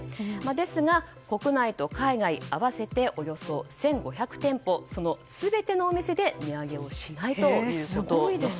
ですが、国内と海外合わせておよそ１５００店舗その全てのお店で値上げをしないということです。